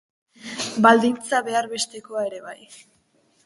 Baldintza behar bestekoa ere bai.